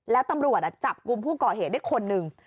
แล้วตำรวจจับกลุ่มผู้ก่อเหตุได้คนหนึ่ง